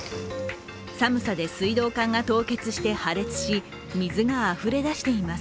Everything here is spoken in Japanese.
寒さで水道管が凍結して破裂し、水があふれ出しています。